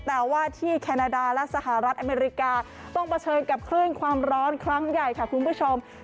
แต่ว่าที่แคนาดาและสหรัฐอเมริกาต้องเผชิญกับคลื่นความร้อนครั้งใหญ่ค่ะคุณผู้ชม